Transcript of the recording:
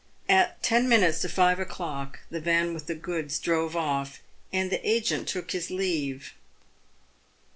At ten minutes to five o'clock, the van with the goods drove off, and the agent took his leave.